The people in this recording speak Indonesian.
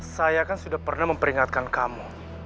saya kan sudah pernah memperingatkan kamu